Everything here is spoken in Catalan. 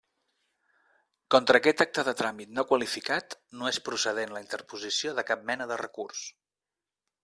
Contra aquest acte de tràmit no qualificat no és procedent la interposició de cap mena de recurs.